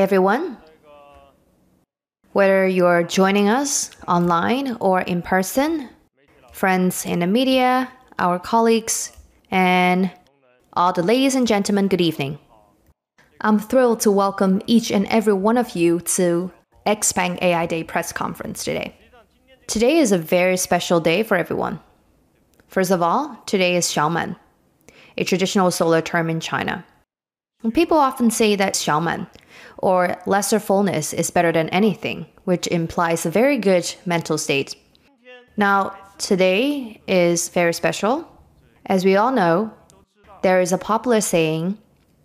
Hi, everyone. Whether you're joining us online or in person, friends in the media, our colleagues, and all the ladies and gentlemen, good evening. I'm thrilled to welcome each and every one of you to Xpeng AI Day press conference today. Today is a very special day for everyone. First of all, today is Xiaoman, a traditional solar term in China, and people often say that Xiaoman or lesser fullness is better than anything, which implies a very good mental state. Now, today is very special. As we all know, there is a popular saying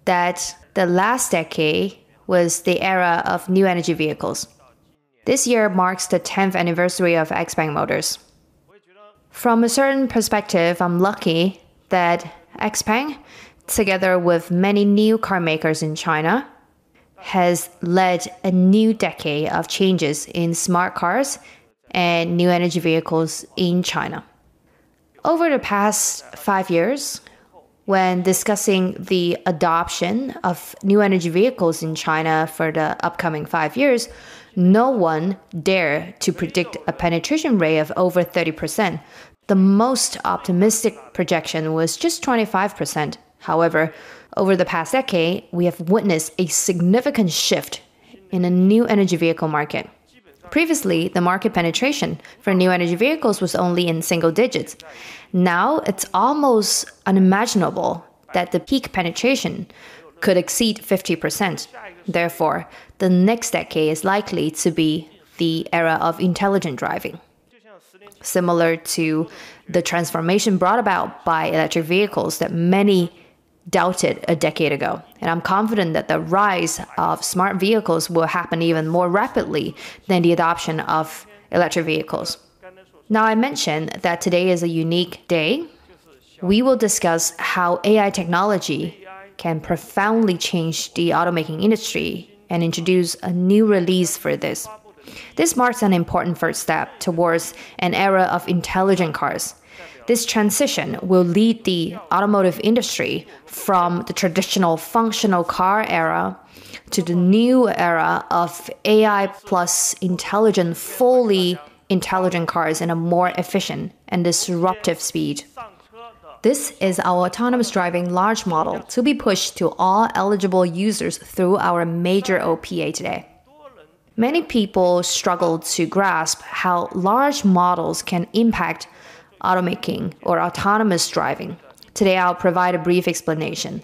that the last decade was the era of new energy vehicles. This year marks the tenth anniversary of Xpeng Motors. From a certain perspective, I'm lucky that Xpeng, together with many new car makers in China, has led a new decade of changes in smart cars and new energy vehicles in China. Over the past 5 years, when discussing the adoption of new energy vehicles in China for the upcoming 5 years, no one dared to predict a penetration rate of over 30%. The most optimistic projection was just 25%. However, over the past decade, we have witnessed a significant shift in the new energy vehicle market. Previously, the market penetration for new energy vehicles was only in single digits. Now, it's almost unimaginable that the peak penetration could exceed 50%. Therefore, the next decade is likely to be the era of intelligent driving, similar to the transformation brought about by electric vehicles that many doubted a decade ago. I'm confident that the rise of smart vehicles will happen even more rapidly than the adoption of electric vehicles. Now, I mentioned that today is a unique day. We will discuss how AI technology can profoundly change the automaking industry and introduce a new release for this. This marks an important first step towards an era of intelligent cars. This transition will lead the automotive industry from the traditional functional car era to the new era of AI plus intelligent, fully intelligent cars in a more efficient and disruptive speed. This is our autonomous driving large model to be pushed to all eligible users through our OTA today. Many people struggle to grasp how large models can impact automaking or autonomous driving. Today, I'll provide a brief explanation.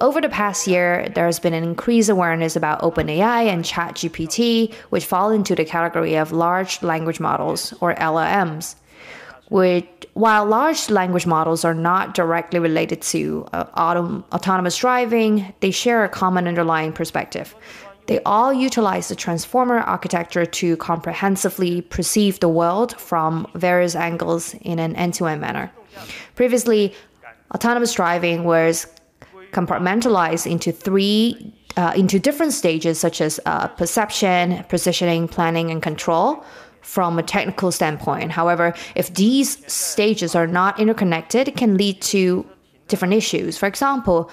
Over the past year, there has been an increased awareness about OpenAI and ChatGPT, which fall into the category of large language models, or LLMs. While large language models are not directly related to autonomous driving, they share a common underlying perspective. They all utilize the Transformer architecture to comprehensively perceive the world from various angles in an end-to-end manner. Previously, autonomous driving was compartmentalized into three different stages, such as perception, positioning, planning, and control from a technical standpoint. However, if these stages are not interconnected, it can lead to different issues. For example,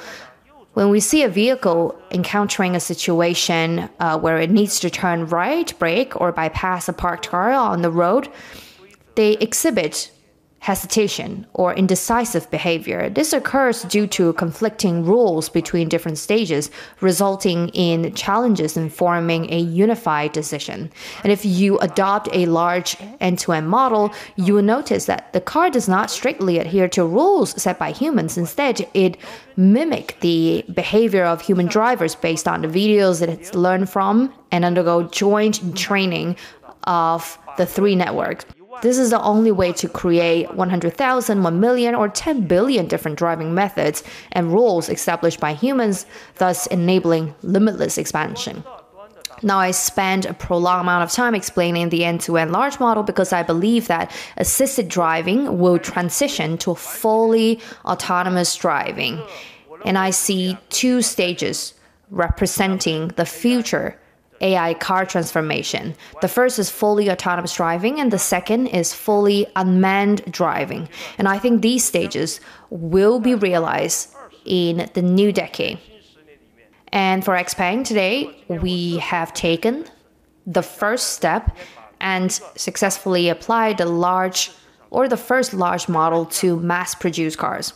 when we see a vehicle encountering a situation, where it needs to turn right, brake, or bypass a parked car on the road, they exhibit hesitation or indecisive behavior. This occurs due to conflicting rules between different stages, resulting in challenges in forming a unified decision. If you adopt a large end-to-end model, you will notice that the car does not strictly adhere to rules set by humans. Instead, it mimic the behavior of human drivers based on the videos that it's learned from and undergo joint training of the three networks. This is the only way to create 100,000, 1,000,000, or 10,000,000,000 different driving methods and rules established by humans, thus enabling limitless expansion. Now, I spent a prolonged amount of time explaining the end-to-end large model because I believe that assisted driving will transition to a fully autonomous driving, and I see two stages representing the future AI car transformation. The first is fully autonomous driving, and the second is fully unmanned driving, and I think these stages will be realized in the new decade. And for Xpeng, today, we have taken the first step and successfully applied the large or the first large model to mass-produce cars.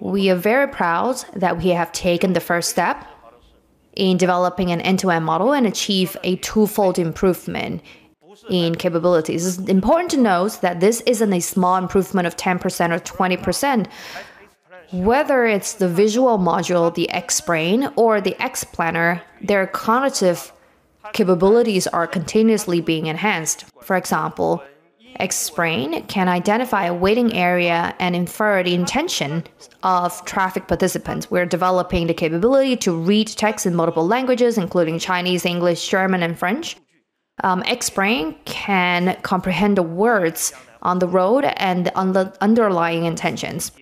We are very proud that we have taken the first step in developing an end-to-end model and achieve a twofold improvement in capabilities. It's important to note that this isn't a small improvement of 10% or 20%. Whether it's the visual module, the XBrain, or the XPlanner, their cognitive capabilities are continuously being enhanced. For example, XBrain can identify a waiting area and infer the intention of traffic participants. We're developing the capability to read text in multiple languages, including Chinese, English, German, and French. XBrain can comprehend the words on the road and the underlying intentions.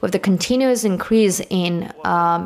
With the continuous increase in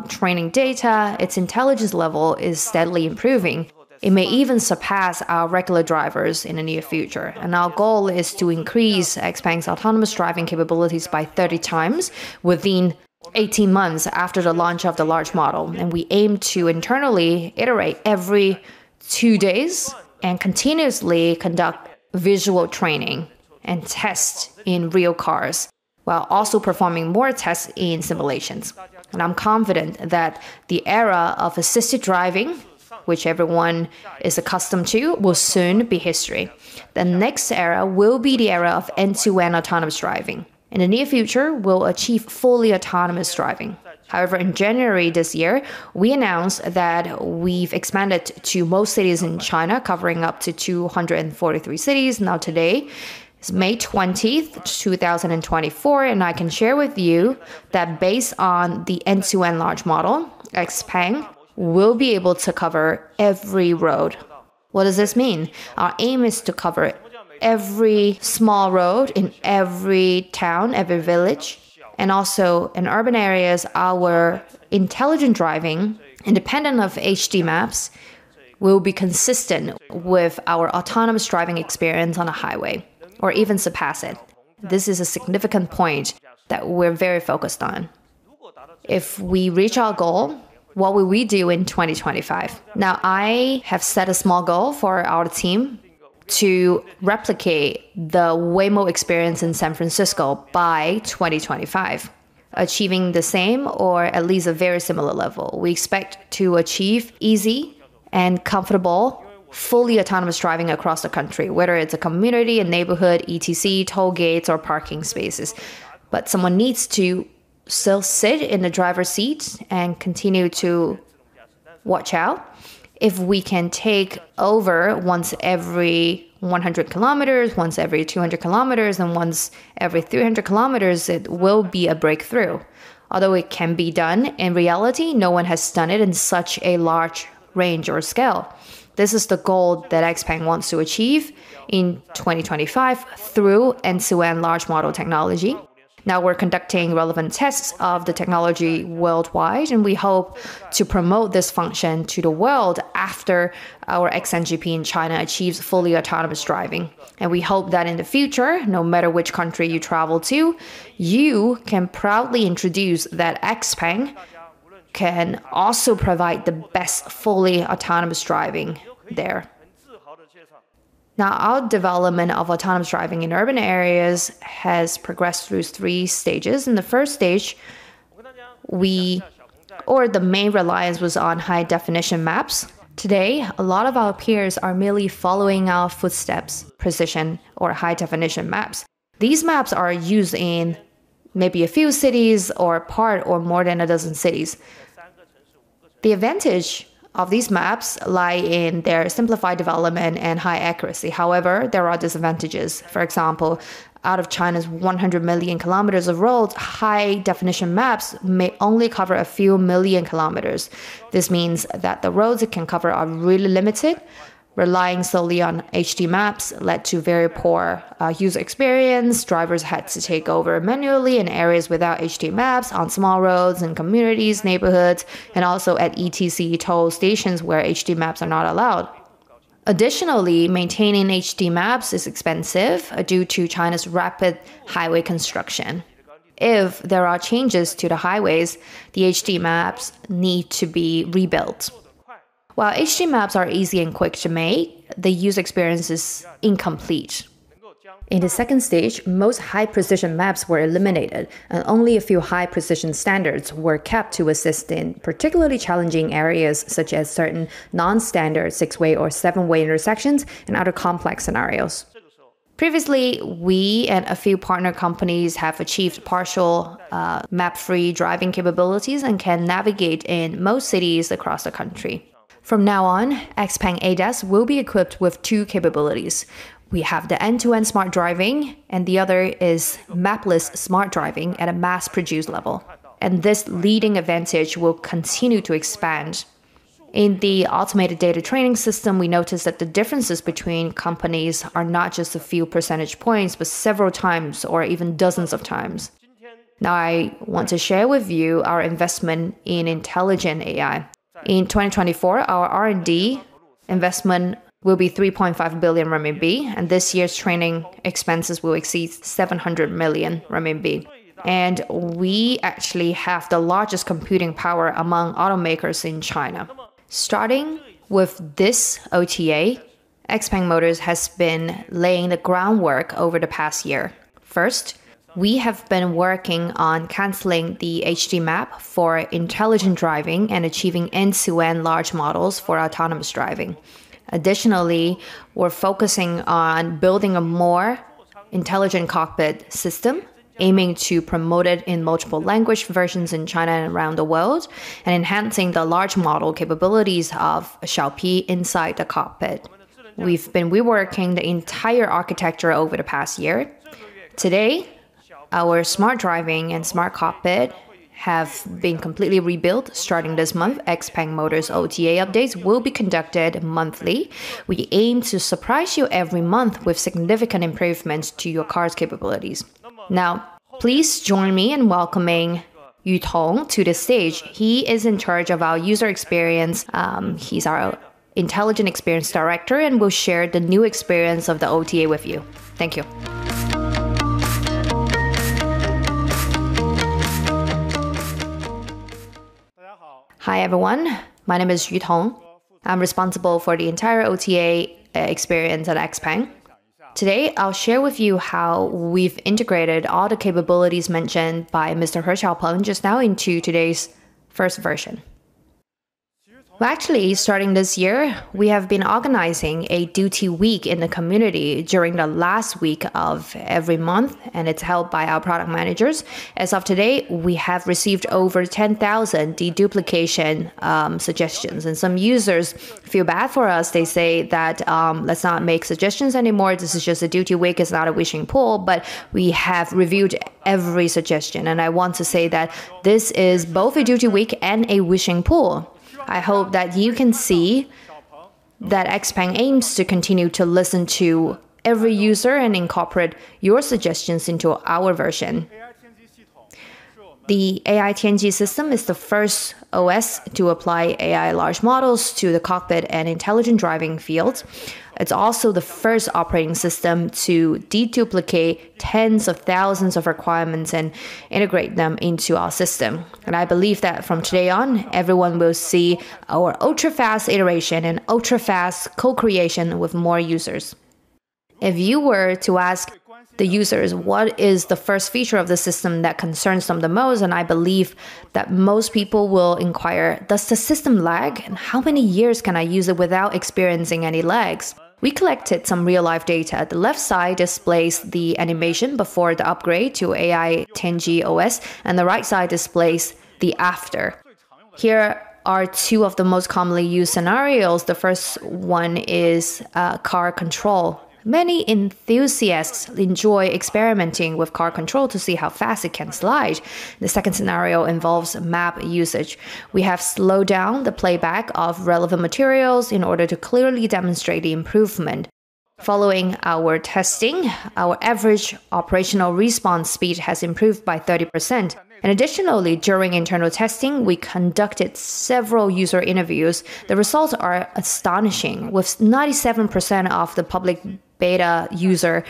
training data, its intelligence level is steadily improving. It may even surpass our regular drivers in the near future, and our goal is to increase Xpeng's autonomous driving capabilities by 30 times within 18 months after the launch of the large model. We aim to internally iterate every 2 days and continuously conduct-... Visual training and tests in real cars, while also performing more tests in simulations. I'm confident that the era of assisted driving, which everyone is accustomed to, will soon be history. The next era will be the era of end-to-end autonomous driving. In the near future, we'll achieve fully autonomous driving. However, in January this year, we announced that we've expanded to most cities in China, covering up to 243 cities. Now, today, it's May 20th, 2024, and I can share with you that based on the end-to-end large model, Xpeng will be able to cover every road. What does this mean? Our aim is to cover every small road in every town, every village, and also in urban areas, our intelligent driving, independent of HD maps, will be consistent with our autonomous driving experience on a highway or even surpass it. This is a significant point that we're very focused on. If we reach our goal, what will we do in 2025? Now, I have set a small goal for our team to replicate the Waymo experience in San Francisco by 2025, achieving the same or at least a very similar level. We expect to achieve easy and comfortable, fully autonomous driving across the country, whether it's a community, a neighborhood, ETC, toll gates, or parking spaces. But someone needs to still sit in the driver's seat and continue to watch out. If we can take over once every 100 kilometers, once every 200 kilometers, and once every 300 kilometers, it will be a breakthrough. Although it can be done, in reality, no one has done it in such a large range or scale. This is the goal that Xpeng wants to achieve in 2025 through end-to-end large model technology. Now we're conducting relevant tests of the technology worldwide, and we hope to promote this function to the world after our XNGP in China achieves fully autonomous driving. We hope that in the future, no matter which country you travel to, you can proudly introduce that Xpeng can also provide the best fully autonomous driving there. Now, our development of autonomous driving in urban areas has progressed through three stages. In the first stage, or the main reliance was on high-definition maps. Today, a lot of our peers are merely following our footsteps, precision or high-definition maps. These maps are used in maybe a few cities or a part or more than a dozen cities. The advantage of these maps lie in their simplified development and high accuracy. However, there are disadvantages. For example, out of China's 100 million kilometers of roads, high-definition maps may only cover a few million kilometers. This means that the roads it can cover are really limited. Relying solely on HD maps led to very poor user experience. Drivers had to take over manually in areas without HD maps, on small roads, in communities, neighborhoods, and also at ETC toll stations where HD maps are not allowed. Additionally, maintaining HD maps is expensive due to China's rapid highway construction. If there are changes to the highways, the HD maps need to be rebuilt. While HD maps are easy and quick to make, the user experience is incomplete. In the second stage, most high-precision maps were eliminated, and only a few high-precision standards were kept to assist in particularly challenging areas, such as certain non-standard six-way or seven-way intersections and other complex scenarios. Previously, we and a few partner companies have achieved partial map-free driving capabilities and can navigate in most cities across the country. From now on, Xpeng ADAS will be equipped with two capabilities. We have the end-to-end smart driving, and the other is mapless smart driving at a mass-produced level, and this leading advantage will continue to expand. In the automated data training system, we noticed that the differences between companies are not just a few percentage points, but several times or even dozens of times. Now, I want to share with you our investment in intelligent AI. In 2024, our R&D investment will be 3.5 billion RMB, and this year's training expenses will exceed 700 million RMB. We actually have the largest computing power among automakers in China. Starting with this OTA, Xpeng Motors has been laying the groundwork over the past year. First, we have been working on canceling the HD map for intelligent driving and achieving end-to-end large models for autonomous driving. Additionally, we're focusing on building a more intelligent cockpit system, aiming to promote it in multiple language versions in China and around the world, and enhancing the large model capabilities Xiao P inside the cockpit. We've been reworking the entire architecture over the past year. Today, our smart driving and smart cockpit have been completely rebuilt. Starting this month, Xpeng Motors OTA updates will be conducted monthly. We aim to surprise you every month with significant improvements to your car's capabilities. Now, please join me in welcoming Yu Tong to the stage. He is in charge of our user experience. He's our intelligent experience director and will share the new experience of the OTA with you. Thank you. Hi, everyone. My name is Yu Tong. I'm responsible for the entire OTA experience at Xpeng. Today, I'll share with you how we've integrated all the capabilities mentioned by Mr. He Xiaopeng just now into today's first version. Well, actually, starting this year, we have been organizing a Duty Week in the community during the last week of every month, and it's held by our product managers. As of today, we have received over 10,000 deduplication suggestions, and some users feel bad for us. They say that, "Let's not make suggestions anymore. This is just a Duty Week. It's not a wishing pool." But we have reviewed every suggestion, and I want to say that this is both a Duty Week and a wishing pool. I hope that you can see that Xpeng aims to continue to listen to every user and incorporate your suggestions into our version. The AI Tianji system is the first OS to apply AI large models to the cockpit and intelligent driving field. It's also the first operating system to deduplicate tens of thousands of requirements and integrate them into our system. And I believe that from today on, everyone will see our ultra-fast iteration and ultra-fast co-creation with more users. If you were to ask the users, what is the first feature of the system that concerns them the most, and I believe that most people will inquire: Does the system lag? And how many years can I use it without experiencing any lags? We collected some real-life data. The left side displays the animation before the upgrade to AI Tianji OS, and the right side displays the after. Here are two of the most commonly used scenarios. The first one is, car control. Many enthusiasts enjoy experimenting with car control to see how fast it can slide. The second scenario involves map usage. We have slowed down the playback of relevant materials in order to clearly demonstrate the improvement. Following our testing, our average operational response speed has improved by 30%, and additionally, during internal testing, we conducted several user interviews. The results are astonishing, with 97% of the public beta user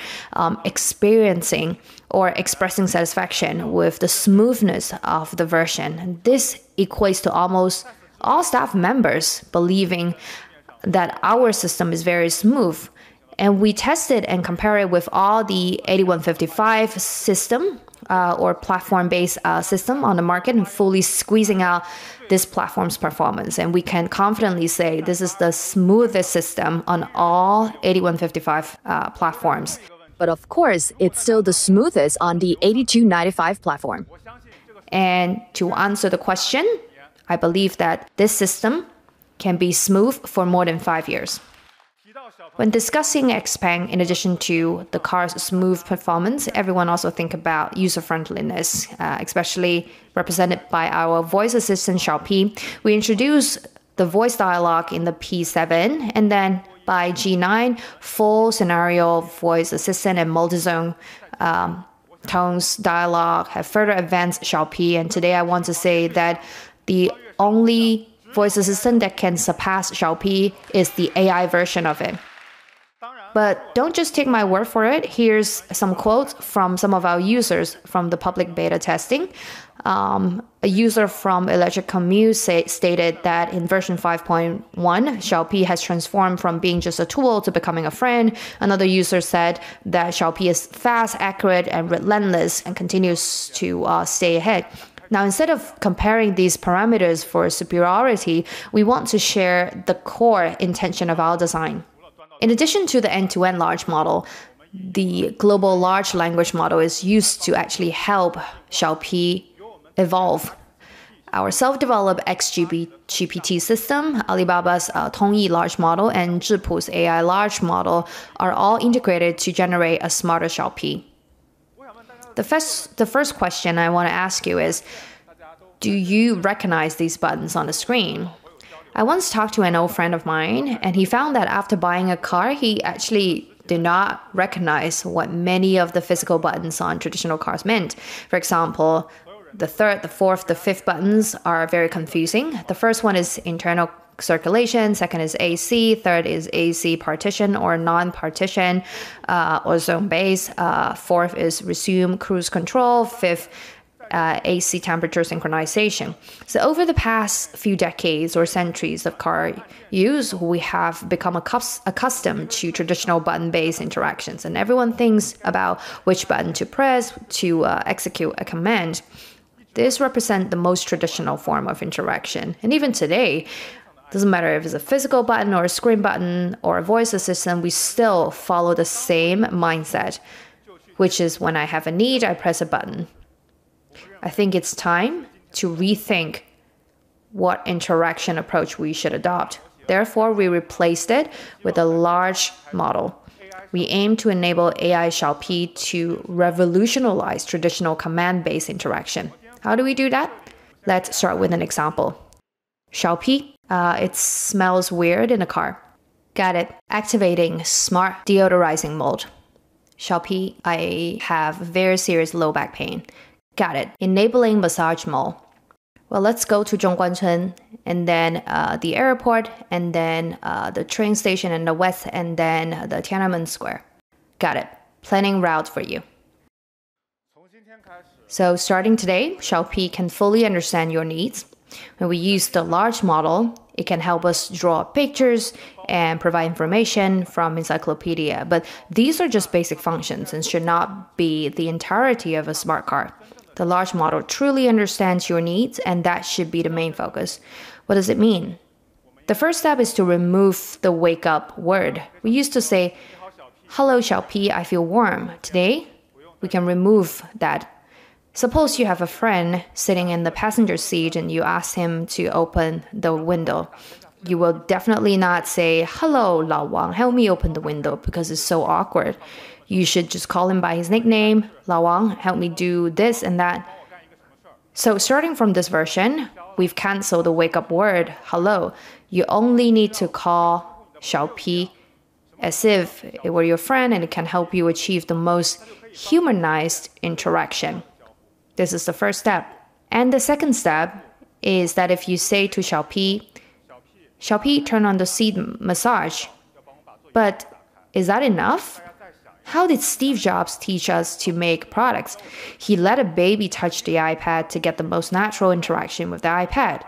experiencing or expressing satisfaction with the smoothness of the version. This equates to almost all staff members believing that our system is very smooth, and we test it and compare it with all the 8155 system or platform-based system on the market, and fully squeezing out this platform's performance. And we can confidently say this is the smoothest system on all 8155 platforms. But of course, it's still the smoothest on the 8295 platform. And to answer the question, I believe that this system can be smooth for more than 5 years. When discussing Xpeng, in addition to the car's smooth performance, everyone also think about user-friendliness, especially represented by assistant, Xiao P. we introduced the voice dialogue in the P7, and then by G9, Full Scenario Voice Assistant and multi-zone tones, dialogue advanced Xiao P, and today I want to say that the only voice assistant surpass Xiao P is the AI version of it. But don't just take my word for it. Here's some quotes from some of our users from the public beta testing. A user from Electric Community stated that, "In Xiao P has transformed from being just a tool to becoming a friend." Another that, "Xiao P is fast, accurate, and relentless, and continues to stay ahead." Now, instead of comparing these parameters for superiority, we want to share the core intention of our design. In addition to the end-to-end large model, the global large language model is used to Xiao P evolve. our self-developed XGPT system, Alibaba's Tongyi large model, and Zhipu AI large model, are all integrated to generate Xiao P. the first question I want to ask you is, do you recognize these buttons on the screen? I once talked to an old friend of mine, and he found that after buying a car, he actually did not recognize what many of the physical buttons on traditional cars meant. For example, the third, the fourth, the fifth buttons are very confusing. The first one is Internal Circulation, second is AC, third is AC Partition or non-partition, or zone-based. Fourth is Resume Cruise Control, fifth, AC Temperature Synchronization. So over the past few decades or centuries of car use, we have become accustomed to traditional button-based interactions, and everyone thinks about which button to press to execute a command. These represent the most traditional form of interaction, and even today, doesn't matter if it's a physical button or a screen button or a voice assistant, we still follow the same mindset, which is when I have a need, I press a button. I think it's time to rethink what interaction approach we should adopt. Therefore, we replaced it with a large AI Xiao P to revolutionize traditional command-based interaction. How do we do that? Let's ask Xiao P, it smells weird in a smart deodorizing mode." Xiao P, i have very serious low back pain. "Got it. Enabling Massage Mode." Well, let's go to Zhongguancun, and then, the airport, and then, the train station in the west, and then the Tiananmen Square. "Got it. Planning route for you."... So Xiao P can fully understand your needs. When we use the large model, it can help us draw pictures and provide information from encyclopedia. But these are just basic functions and should not be the entirety of a smart car. The large model truly understands your needs, and that should be the main focus. What does it mean? The first step is to remove the wake-up word. We used to Xiao P, i feel warm." Today, we can remove that. Suppose you have a friend sitting in the passenger seat, and you ask him to open the window. You will definitely not say, "Hello, Lao Wang, help me open the window," because it's so awkward. You should just call him by his nickname, "Lao Wang, help me do this and that." So starting from this version, we've canceled the wake-up word, "Hello." You to ask Xiao P as if it were your friend, and it can help you achieve the most humanized interaction. This is the first step. The second step is that if you "Xiao P, turn on the seat massage," but is that enough? How did Steve Jobs teach us to make products? He let a baby touch the iPad to get the most natural interaction with the iPad.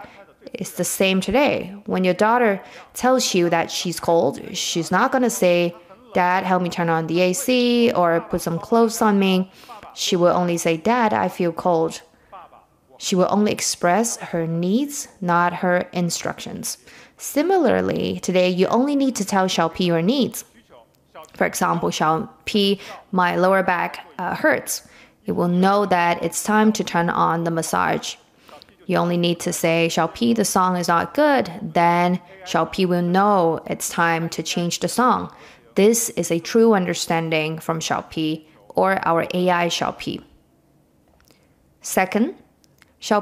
It's the same today. When your daughter tells you that she's cold, she's not going to say, "Dad, help me turn on the AC or put some clothes on me." She will only say, "Dad, I feel cold." She will only express her needs, not her instructions. Similarly, today, you "Xiao P, my lower back hurts." It will know that it's time to turn on the massage. You only need "Xiao P, the song is not Xiao P will know it's time to change the song. This is a true Xiao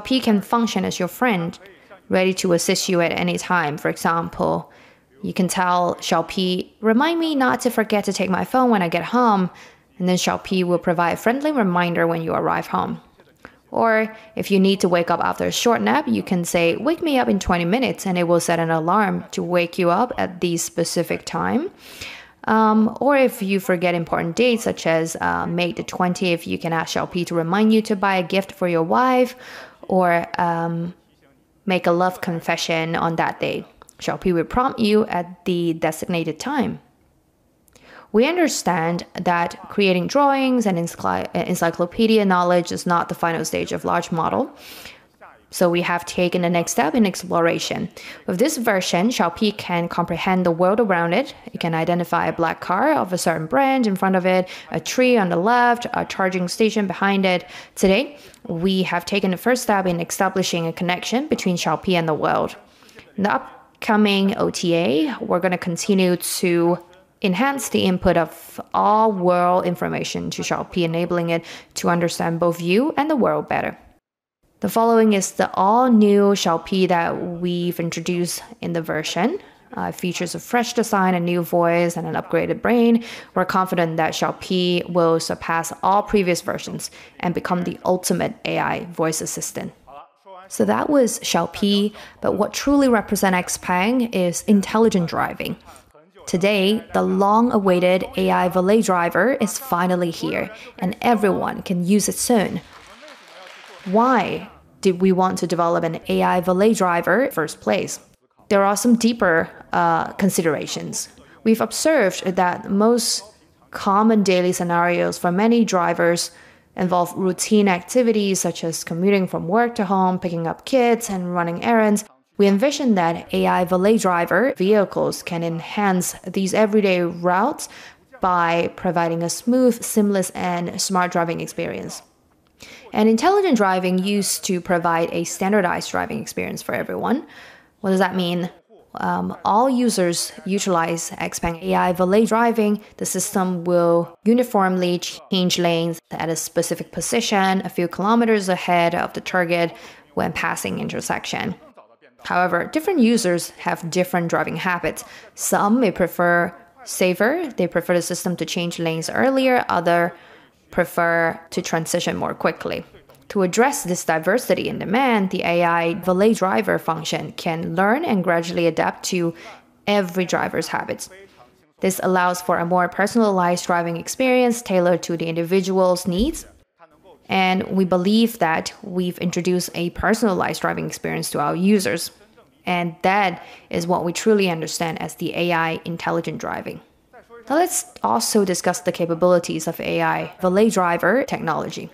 P can function as your friend, ready to assist you at any time. For cask Xiao P, "remind me not to forget to take my phone when I get home," Xiao P will provide a friendly reminder when you arrive home. Or if you need to wake up after a short nap, you can say, "Wake me up in 20 minutes," and it will set an alarm to wake you up at the specific time. Or if you forget important dates, such as May the cask Xiao P to remind you to buy a gift for your wife or make a love confession on Xiao P will prompt you at the designated time. We understand that creating drawings and encyclopedic knowledge is not the final stage of large model, so we have taken the next step in exploration. With Xiao P can comprehend the world around it. It can identify a black car of a certain brand in front of it, a tree on the left, a charging station behind it. Today, we have taken the first step in establishing a Xiao P and the world. In the upcoming OTA, we're going to continue to enhance the input of all world Xiao P, enabling it to understand both you and the world better. The following is Xiao P that we've introduced in the version. It features a fresh design, a new voice, and an upgraded brain. We're Xiao P will surpass all previous versions and become the ultimate AI voice assistant. So that Xiao P, but what truly represent Xpeng is intelligent driving. Today, the long-awaited AI Valet Driver is finally here, and everyone can use it soon. Why did we want to develop an AI Valet Driver in the first place? There are some deeper considerations. We've observed that most common daily scenarios for many drivers involve routine activities, such as commuting from work to home, picking up kids, and running errands. We envision that AI Valet Driver vehicles can enhance these everyday routes by providing a smooth, seamless, and smart driving experience. Intelligent driving used to provide a standardized driving experience for everyone. What does that mean? All users utilize Xpeng AI Valet Driving, the system will uniformly change lanes at a specific position a few kilometers ahead of the target when passing intersection. However, different users have different driving habits. Some may prefer safer. They prefer the system to change lanes earlier. Other prefer to transition more quickly. To address this diversity in demand, the AI Valet Driver function can learn and gradually adapt to every driver's habits. This allows for a more personalized driving experience tailored to the individual's needs, and we believe that we've introduced a personalized driving experience to our users, and that is what we truly understand as the AI intelligent driving. Now, let's also discuss the capabilities of AI Valet Driver technology.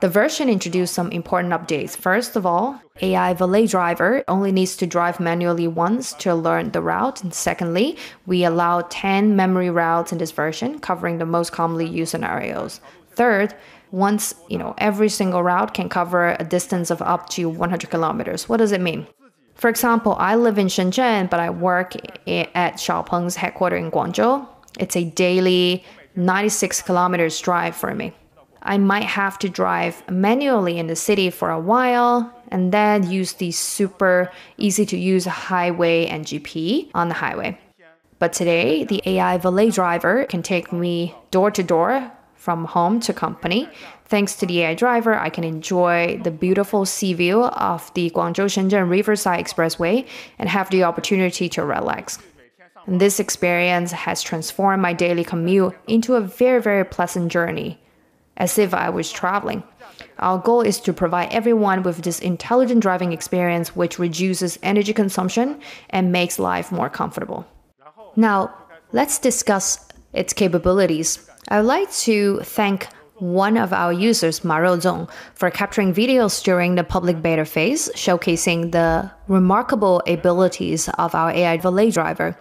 The version introduced some important updates. First of all, AI Valet Driver only needs to drive manually once to learn the route, and secondly, we allow 10 memory routes in this version, covering the most commonly used scenarios. Third, once. You know, every single route can cover a distance of up to 100 kilometers. What does it mean? For example, I live in Shenzhen, but I work at Xpeng's headquarters in Guangzhou. It's a daily 96 km drive for me. I might have to drive manually in the city for a while, and then use the super easy-to-use Highway NGP on the highway. But today, the AI Valet Driver can take me door to door, from home to company. Thanks to the AI driver, I can enjoy the beautiful sea view of the Guangzhou-Shenzhen Riverside Expressway and have the opportunity to relax. This experience has transformed my daily commute into a very, very pleasant journey, as if I was traveling. Our goal is to provide everyone with this intelligent driving experience, which reduces energy consumption and makes life more comfortable. Now, let's discuss its capabilities. I would like to thank one of our users, Mario Zong, for capturing videos during the public beta phase, showcasing the remarkable abilities of our AI Valet Driver.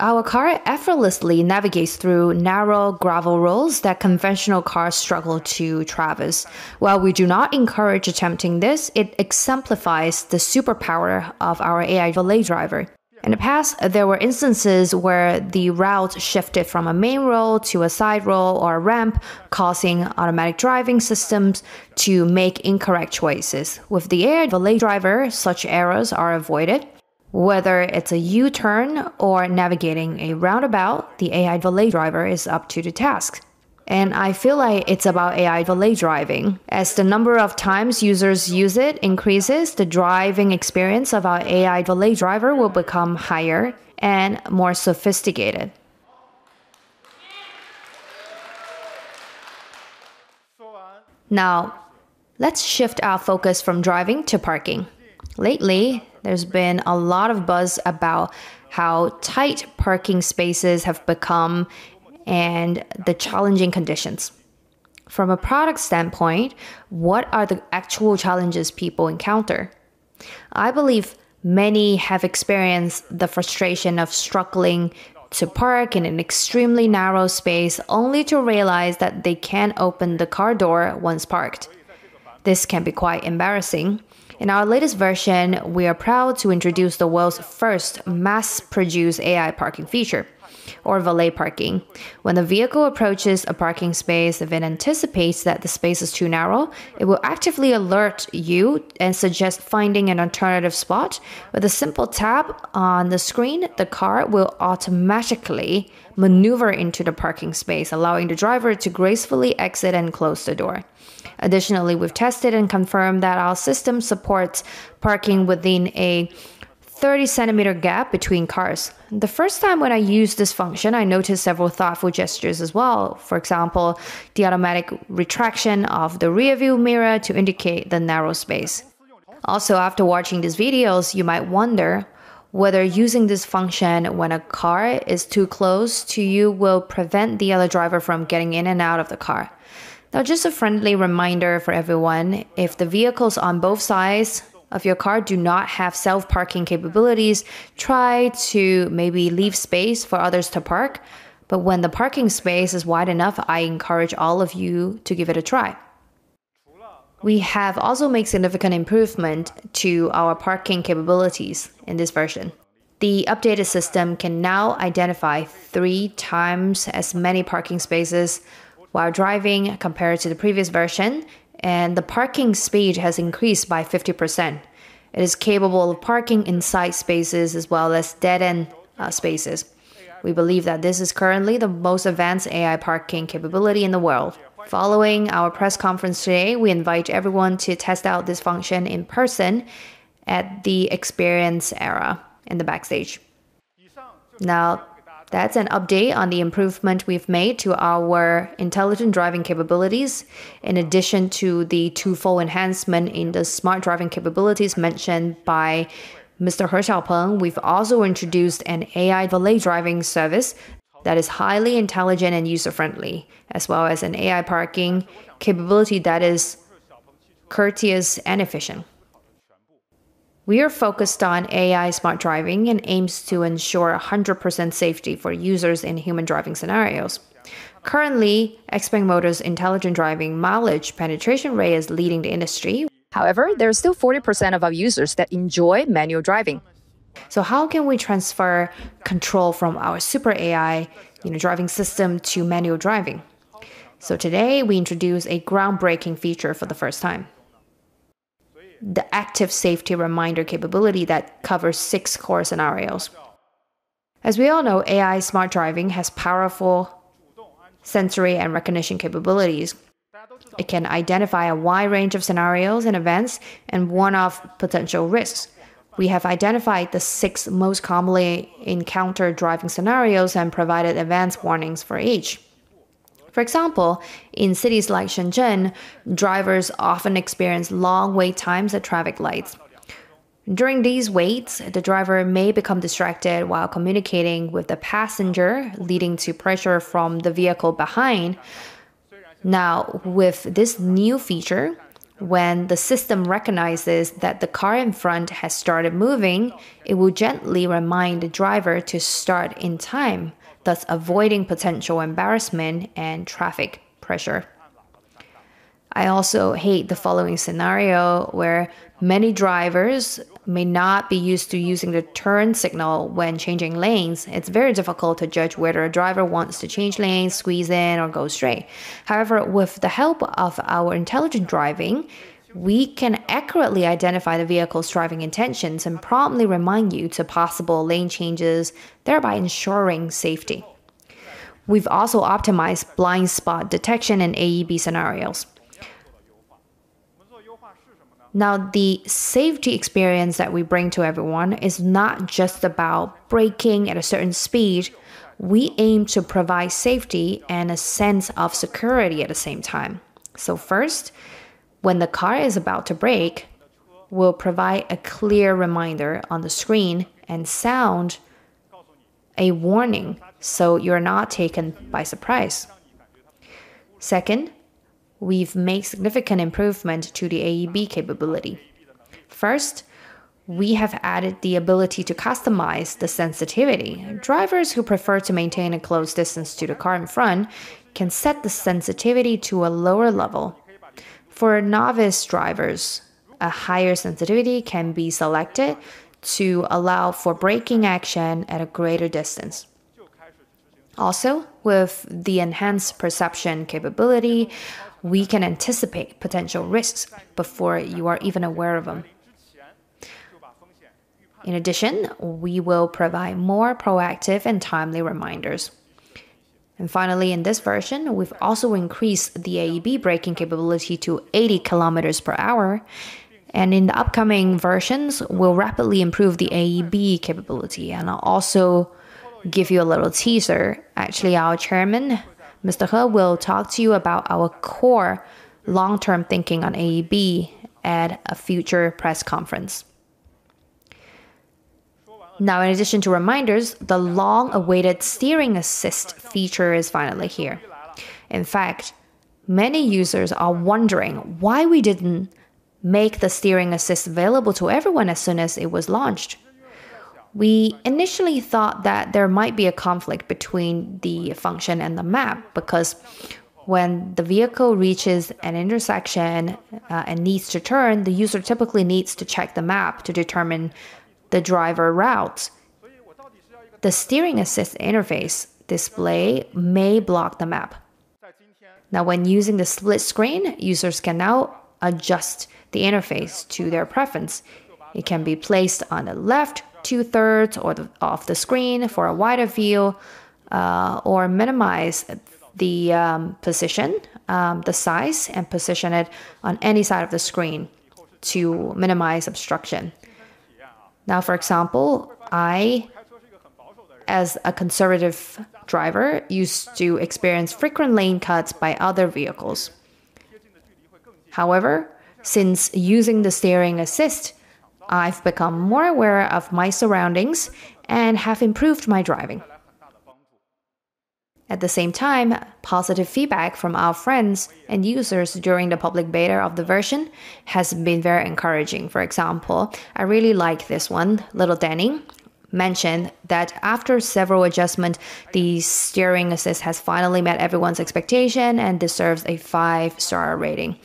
Our car effortlessly navigates through narrow gravel roads that conventional cars struggle to traverse. While we do not encourage attempting this, it exemplifies the superpower of our AI Valet Driver. In the past, there were instances where the route shifted from a main road to a side road or a ramp, causing automatic driving systems to make incorrect choices. With the AI Valet Driver, such errors are avoided. Whether it's a U-turn or navigating a roundabout, the AI Valet Driver is up to the task, and I feel like it's about AI Valet driving. As the number of times users use it increases, the driving experience of our AI Valet Driver will become higher and more sophisticated. Now, let's shift our focus from driving to parking. Lately, there's been a lot of buzz about how tight parking spaces have become and the challenging conditions. From a product standpoint, what are the actual challenges people encounter? I believe many have experienced the frustration of struggling to park in an extremely narrow space, only to realize that they can't open the car door once parked. This can be quite embarrassing. In our latest version, we are proud to introduce the world's first mass-produced AI parking feature or valet parking. When the vehicle approaches a parking space, if it anticipates that the space is too narrow, it will actively alert you and suggest finding an alternative spot. With a simple tap on the screen, the car will automatically maneuver into the parking space, allowing the driver to gracefully exit and close the door. Additionally, we've tested and confirmed that our system supports parking within a 30-centimeter gap between cars. The first time when I used this function, I noticed several thoughtful gestures as well. For example, the automatic retraction of the rearview mirror to indicate the narrow space. Also, after watching these videos, you might wonder whether using this function when a car is too close to you will prevent the other driver from getting in and out of the car. Now, just a friendly reminder for everyone, if the vehicles on both sides of your car do not have self-parking capabilities, try to maybe leave space for others to park. But when the parking space is wide enough, I encourage all of you to give it a try. We have also made significant improvement to our parking capabilities in this version. The updated system can now identify 3 times as many parking spaces while driving compared to the previous version, and the parking speed has increased by 50%. It is capable of parking in side spaces as well as dead-end spaces. We believe that this is currently the most advanced AI parking capability in the world. Following our press conference today, we invite everyone to test out this function in person at the experience area in the backstage. Now, that's an update on the improvement we've made to our intelligent driving capabilities. In addition to the twofold enhancement in the smart driving capabilities mentioned by Mr. He Xiaopeng, we've also introduced an AI Valet Driving service that is highly intelligent and user-friendly, as well as an AI parking capability that is courteous and efficient. We are focused on AI smart driving and aims to ensure a 100% safety for users in human driving scenarios. Currently, Xpeng Motors' intelligent driving mileage penetration rate is leading the industry. However, there are still 40% of our users that enjoy manual driving. So how can we transfer control from our super AI, you know, driving system to manual driving? So today, we introduce a groundbreaking feature for the first time, the active safety reminder capability that covers six core scenarios. As we all know, AI smart driving has powerful sensory and recognition capabilities. It can identify a wide range of scenarios and events and warn of potential risks. We have identified the six most commonly encountered driving scenarios and provided advanced warnings for each. For example, in cities like Shenzhen, drivers often experience long wait times at traffic lights. During these waits, the driver may become distracted while communicating with the passenger, leading to pressure from the vehicle behind. Now, with this new feature, when the system recognizes that the car in front has started moving, it will gently remind the driver to start in time, thus avoiding potential embarrassment and traffic pressure. I also hate the following scenario, where many drivers may not be used to using the turn signal when changing lanes. It's very difficult to judge whether a driver wants to change lanes, squeeze in, or go straight. However, with the help of our intelligent driving, we can accurately identify the vehicle's driving intentions and promptly remind you to possible lane changes, thereby ensuring safety. We've also optimized blind spot detection and AEB scenarios. Now, the safety experience that we bring to everyone is not just about braking at a certain speed. We aim to provide safety and a sense of security at the same time. So first, when the car is about to brake, we'll provide a clear reminder on the screen and sound a warning, so you're not taken by surprise. Second, we've made significant improvement to the AEB capability. First, we have added the ability to customize the sensitivity. Drivers who prefer to maintain a close distance to the car in front can set the sensitivity to a lower level. For novice drivers, a higher sensitivity can be selected to allow for braking action at a greater distance. Also, with the enhanced perception capability, we can anticipate potential risks before you are even aware of them. In addition, we will provide more proactive and timely reminders. Finally, in this version, we've also increased the AEB braking capability to 80 kilometers per hour, and in the upcoming versions, we'll rapidly improve the AEB capability. I'll also give you a little teaser. Actually, our chairman, Mr. He, will talk to you about our core long-term thinking on AEB at a future press conference. Now, in addition to reminders, the long-awaited Steering Assist feature is finally here. In fact, many users are wondering why we didn't make the Steering Assist available to everyone as soon as it was launched. We initially thought that there might be a conflict between the function and the map, because when the vehicle reaches an intersection, and needs to turn, the user typically needs to check the map to determine the driver route. The Steering Assist interface display may block the map. Now, when using the split screen, users can now adjust the interface to their preference. It can be placed on the left two-thirds or off the screen for a wider view, or minimize the position, the size, and position it on any side of the screen to minimize obstruction. Now, for example, I, as a conservative driver, used to experience frequent lane cuts by other vehicles. However, since using the Steering Assist, I've become more aware of my surroundings and have improved my driving. At the same time, positive feedback from our friends and users during the public beta of the version has been very encouraging. For example, I really like this one. Little Danny mentioned that after several adjustment, the Steering Assist has finally met everyone's expectation and deserves a five-star rating.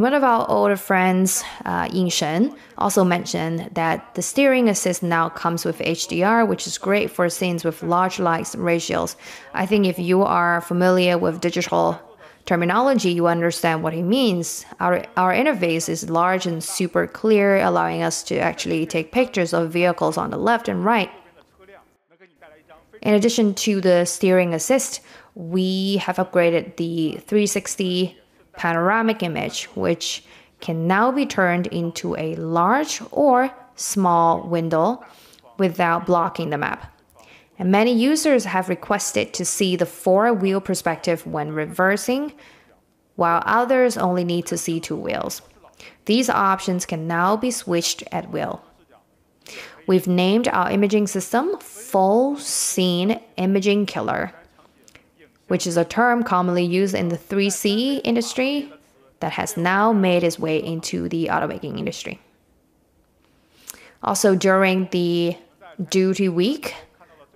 One of our older friends, Yin Shen, also mentioned that the Steering Assist now comes with HDR, which is great for scenes with large lights and ratios. I think if you are familiar with digital terminology, you understand what he means. Our interface is large and super clear, allowing us to actually take pictures of vehicles on the left and right. In addition to the Steering Assist, we have upgraded the 360 panoramic image, which can now be turned into a large or small window without blocking the map. Many users have requested to see the 4-wheel perspective when reversing, while others only need to see 2 wheels. These options can now be switched at will. We've named our imaging system Full Scene Imaging Killer, which is a term commonly used in the 3C industry that has now made its way into the automaking industry. Also, during the Duty Week,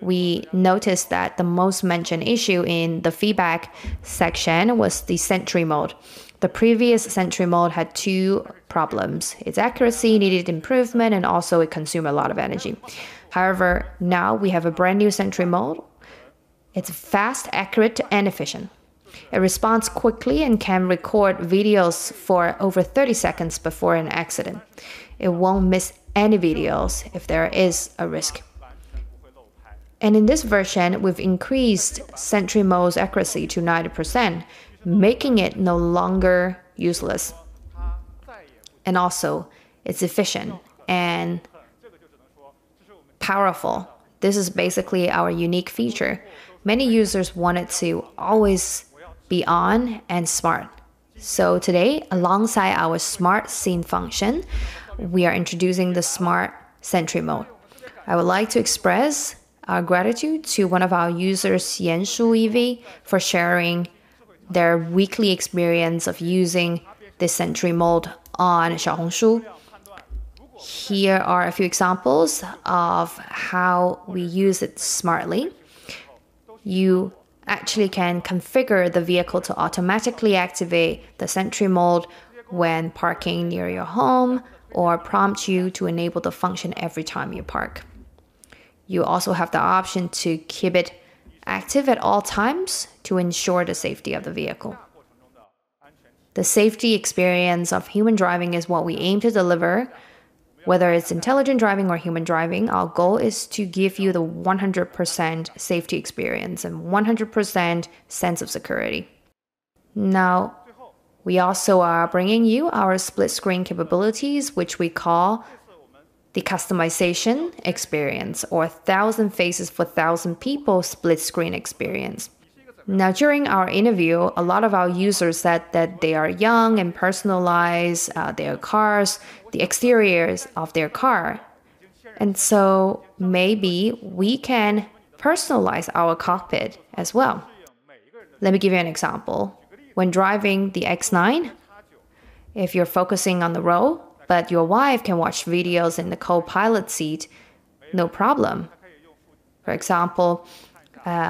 we noticed that the most mentioned issue in the feedback section was the Sentry Mode. The previous Sentry Mode had two problems: its accuracy needed improvement, and also it consumed a lot of energy. However, now we have a brand-new Sentry Mode. It's fast, accurate, and efficient. It responds quickly and can record videos for over 30 seconds before an accident. It won't miss any videos if there is a risk. And in this version, we've increased Sentry Mode's accuracy to 90%, making it no longer useless, and also it's efficient and powerful. This is basically our unique feature. Many users want it to always be on and smart. So today, alongside our smart scene function, we are introducing the Smart Sentry Mode. I would like to express our gratitude to one of our users, Yan Shu EV, for sharing their weekly experience of using the Sentry Mode on Xiaohongshu. Here are a few examples of how we use it smartly. You actually can configure the vehicle to automatically activate the Sentry Mode when parking near your home, or prompt you to enable the function every time you park. You also have the option to keep it active at all times to ensure the safety of the vehicle. The safety experience of human driving is what we aim to deliver whether it's intelligent driving or human driving, our goal is to give you the 100% safety experience and 100% sense of security. Now, we also are bringing you our split screen capabilities, which we call the customization experience or thousand faces for thousand people split screen experience. Now, during our interview, a lot of our users said that they are young and personalize their cars, the exteriors of their car, and so maybe we can personalize our cockpit as well. Let me give you an example. When driving the X9, if you're focusing on the road, but your wife can watch videos in the co-pilot seat, no problem. For example,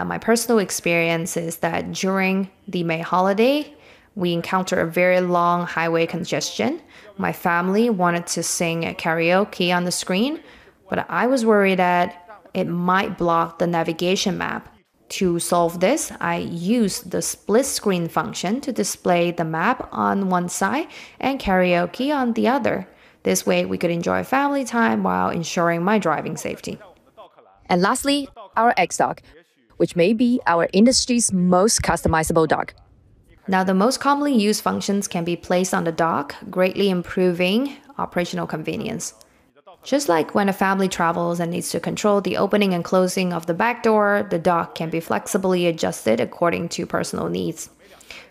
my personal experience is that during the May holiday, we encountered a very long highway congestion. My family wanted to sing a karaoke on the screen, but I was worried that it might block the navigation map. To solve this, I used the split screen function to display the map on one side and karaoke on the other. This way, we could enjoy family time while ensuring my driving safety. And lastly, our XDock, which may be our industry's most customizable dock. Now, the most commonly used functions can be placed on the dock, greatly improving operational convenience. Just like when a family travels and needs to control the opening and closing of the back door, the dock can be flexibly adjusted according to personal needs.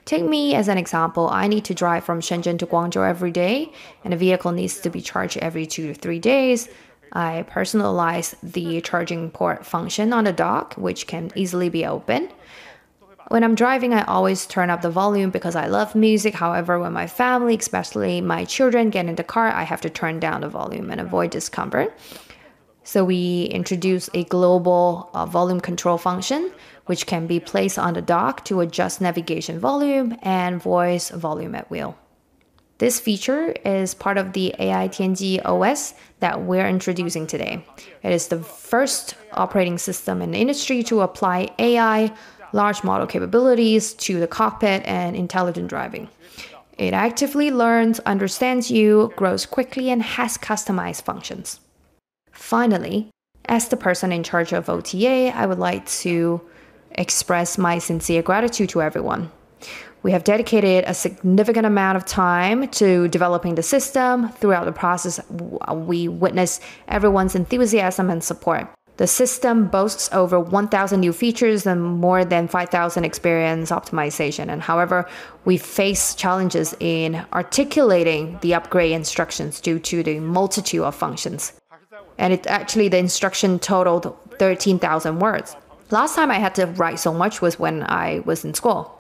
Take me as an example, I need to drive from Shenzhen to Guangzhou every day, and the vehicle needs to be charged every 2-3 days. I personalize the charging port function on the dock, which can easily be opened. When I'm driving, I always turn up the volume because I love music. However, when my family, especially my children, get in the car, I have to turn down the volume and avoid discomfort. So we introduced a global volume control function, which can be placed on the dock to adjust navigation volume and voice volume at will. This feature is part of the AI Tianji OS that we're introducing today. It is the first operating system in the industry to apply AI large model capabilities to the cockpit and intelligent driving. It actively learns, understands you, grows quickly, and has customized functions. Finally, as the person in charge of OTA, I would like to express my sincere gratitude to everyone. We have dedicated a significant amount of time to developing the system. Throughout the process, we witnessed everyone's enthusiasm and support. The system boasts over 1,000 new features and more than 5,000 experience optimization, and however, we face challenges in articulating the upgrade instructions due to the multitude of functions, and it-- actually, the instruction totaled 13,000 words. Last time I had to write so much was when I was in school.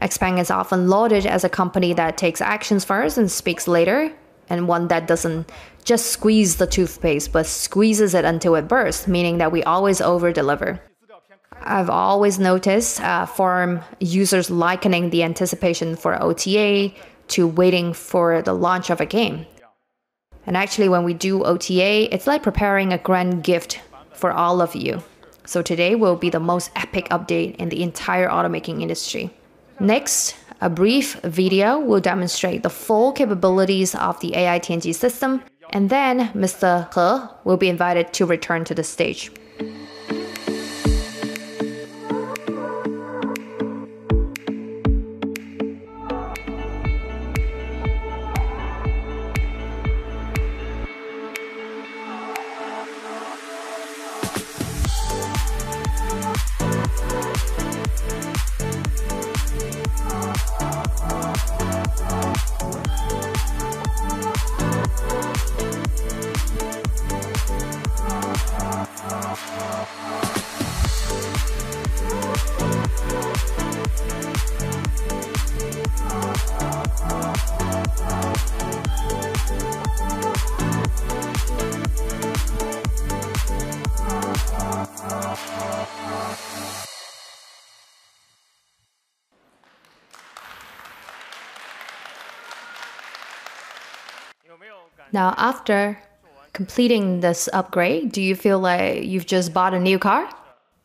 Xpeng is often lauded as a company that takes actions first and speaks later, and one that doesn't just squeeze the toothpaste, but squeezes it until it bursts, meaning that we always over-deliver. I've always noticed, forum users likening the anticipation for OTA to waiting for the launch of a game. Actually, when we do OTA, it's like preparing a grand gift for all of you. Today will be the most epic update in the entire automotive industry. Next, a brief video will demonstrate the full capabilities of the XNGP system, and then Mr. He will be invited to return to the stage. Now, after completing this upgrade, do you feel like you've just bought a new car?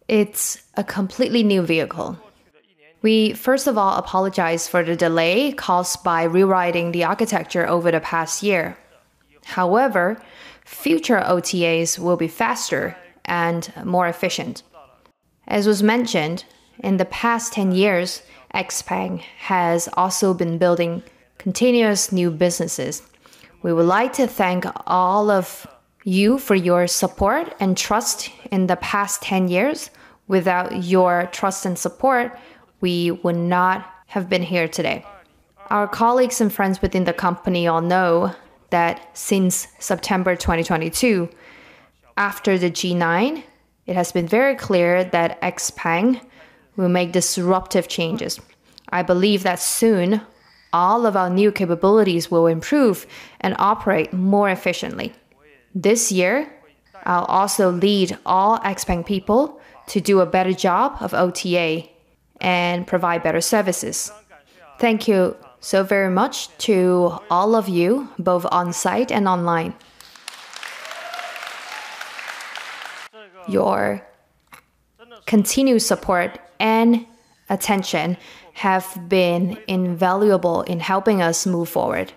It's a completely new vehicle. We, first of all, apologize for the delay caused by rewriting the architecture over the past year. However, future OTAs will be faster and more efficient. As was mentioned, in the past ten years, Xpeng has also been building continuous new businesses. We would like to thank all of you for your support and trust in the past ten years. Without your trust and support, we would not have been here today. Our colleagues and friends within the company all know that since September 2022, after the G9, it has been very clear that Xpeng will make disruptive changes. I believe that soon, all of our new capabilities will improve and operate more efficiently. This year, I'll also lead all Xpeng people to do a better job of OTA and provide better services. Thank you so very much to all of you, both on-site and online. Your continued support and attention have been invaluable in helping us move forward.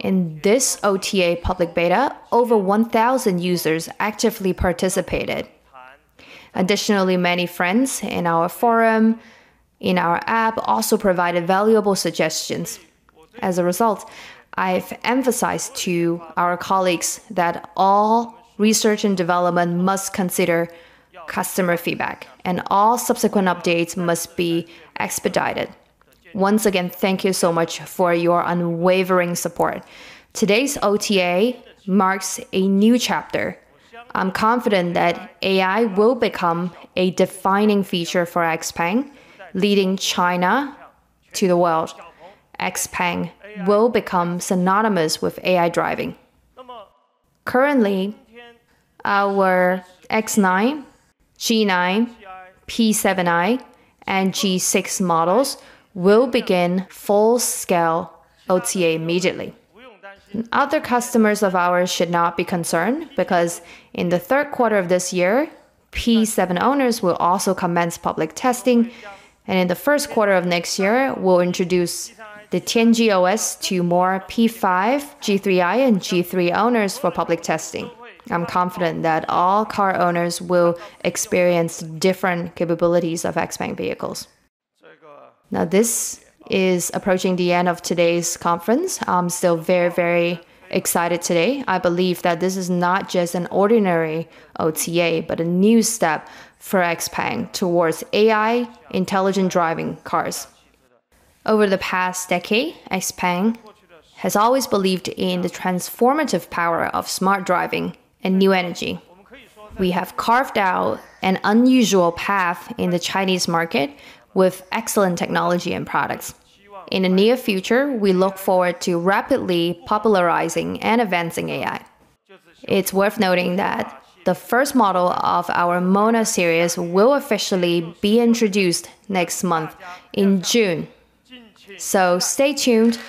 In this OTA public beta, over 1,000 users actively participated. Additionally, many friends in our forum, in our app, also provided valuable suggestions. As a result, I've emphasized to our colleagues that all research and development must consider customer feedback, and all subsequent updates must be expedited. Once again, thank you so much for your unwavering support. Today's OTA marks a new chapter. I'm confident that AI will become a defining feature for Xpeng, leading China to the world. Xpeng will become synonymous with AI driving. Currently, our X9, G9, P7i, and G6 models will begin full-scale OTA immediately. Other customers of ours should not be concerned, because in the third quarter of this year, P7 owners will also commence public testing, and in the first quarter of next year, we'll introduce the Tianji OS to more P5, G3i, and G3 owners for public testing. I'm confident that all car owners will experience different capabilities of Xpeng vehicles. Now, this is approaching the end of today's conference. I'm still very, very excited today. I believe that this is not just an ordinary OTA, but a new step for Xpeng towards AI intelligent driving cars. Over the past decade, Xpeng has always believed in the transformative power of smart driving and new energy. We have carved out an unusual path in the Chinese market with excellent technology and products. In the near future, we look forward to rapidly popularizing and advancing AI. It's worth noting that the first model of our MONA series will officially be introduced next month in June. So stay tuned!